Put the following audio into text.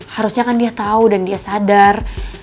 harusnya kan dia tahu dan dia sadar